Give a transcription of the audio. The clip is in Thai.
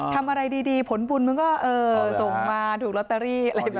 ทำอะไรดีผลบุญมันก็ส่งมาถูกลอตเตอรี่